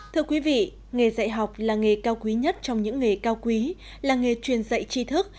thưa quý vị nghề dạy học là nghề cao quý nhất trong những nghề cao quý là nghề truyền dạy chi thức